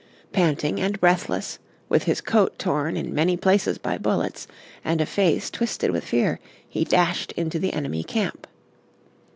Panting and breathless, with his coat torn in many places by bullets, and a face twisted with fear, he dashed into the enemy camp.